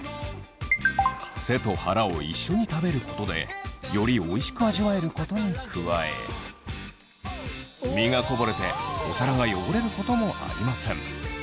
背と腹を一緒に食べることでよりおいしく味わえることに加え身がこぼれてお皿が汚れることもありません。